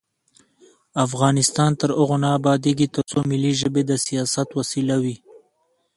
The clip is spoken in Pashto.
افغانستان تر هغو نه ابادیږي، ترڅو ملي ژبې د سیاست وسیله وي.